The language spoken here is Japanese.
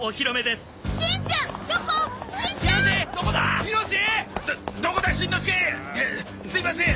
すみません！